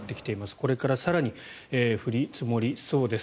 これから更に降り積もりそうです。